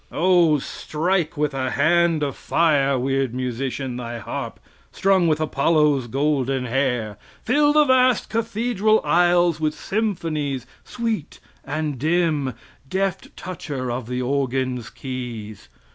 Oh, strike with a hand of fire, weird musician, thy harp, strung with Apollo's golden hair! Fill the vast cathedral aisles with symphonies sweet and dim, deft toucher of the organ's keys!